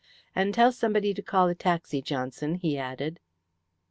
"And tell somebody to call a taxi, Johnson," he added.